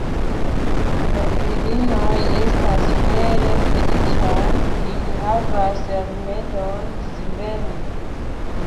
La virinoj estas vere feliĉaj: ili havas la rimedon sveni.